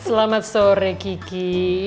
selamat sore kiki